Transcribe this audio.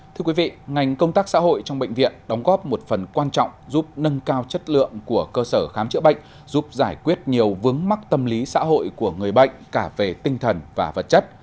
thưa quý vị ngành công tác xã hội trong bệnh viện đóng góp một phần quan trọng giúp nâng cao chất lượng của cơ sở khám chữa bệnh giúp giải quyết nhiều vướng mắc tâm lý xã hội của người bệnh cả về tinh thần và vật chất